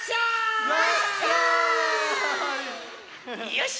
よし！